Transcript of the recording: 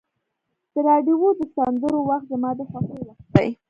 د راډیو د سندرو وخت زما د خوښۍ وخت دی.